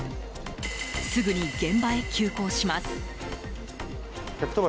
すぐに現場へ急行します。